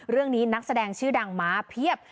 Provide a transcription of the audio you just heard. เรื่องนี้นักแสดงชื่อดังมาเพียบ